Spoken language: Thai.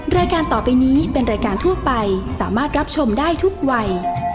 รายการต่อไปนี้เป็นรายการทั่วไปสามารถรับชมได้ทุกวัย